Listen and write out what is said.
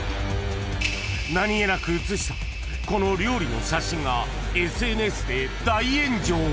［何げなく写したこの料理の写真がＳＮＳで大炎上］